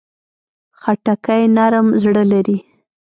خټکی نرم زړه لري.